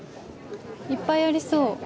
いっぱいありそう。